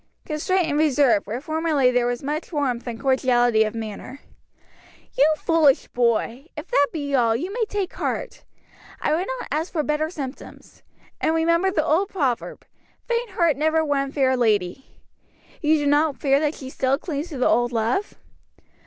"Constraint and reserve, where formerly there was much warmth and cordiality of manner." "You foolish boy! if that be all, you may take heart. I would not ask for better symptoms. And remember the old proverb 'Faint heart never won fair lady.' You do not fear that she still clings to the old love?"